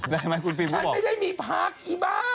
ได้ไหมคุณฟีนเขาบอกว่าฉันไม่ได้มีพักอีบ้า